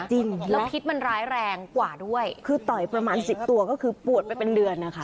จริงแล้วพิษมันร้ายแรงกว่าด้วยคือต่อยประมาณสิบตัวก็คือปวดไปเป็นเดือนนะคะ